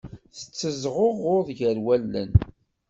Tettezɣuɣud gar wallen.